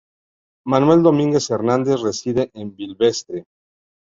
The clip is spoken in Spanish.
Manuel Domínguez Hernández reside en Vilvestre.